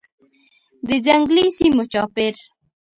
د ځنګلي سیمو چاپیر